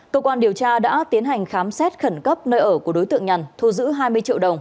cơ quan điều tra đã tiến hành khám xét khẩn cấp nơi ở của đối tượng nhàn thu giữ hai mươi triệu đồng